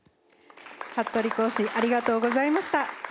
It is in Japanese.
服部講師ありがとうございました。